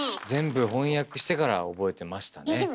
全部翻訳してから覚えてましたね。